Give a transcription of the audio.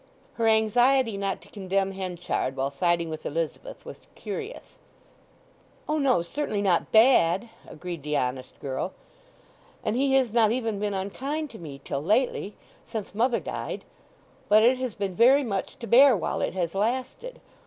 Her anxiety not to condemn Henchard while siding with Elizabeth was curious. "O no; certainly not bad," agreed the honest girl. "And he has not even been unkind to me till lately—since mother died. But it has been very much to bear while it has lasted.